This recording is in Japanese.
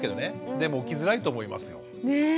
でも起きづらいと思いますよ。ね！